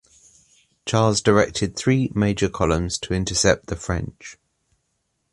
Charles directed three major columns to intercept the French.